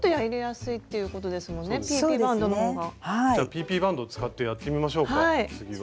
じゃあＰＰバンドを使ってやってみましょうか次は。